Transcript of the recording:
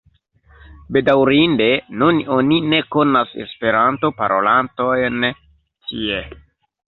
Bedaŭrinde nun oni ne konas Esperanto-parolantojn tie.